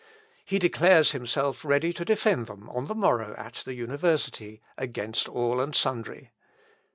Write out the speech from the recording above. He declares himself ready to defend them on the morrow at the university, against all and sundry.